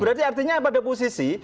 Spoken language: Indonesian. berarti artinya pada posisi